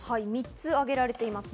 ３つ挙げられています。